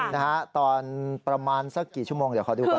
นะฮะตอนประมาณสักกี่ชั่วโมงเดี๋ยวขอดูก่อน